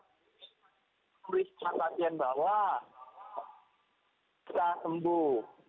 kita memberi maksimal pasien bahwa kita sembuh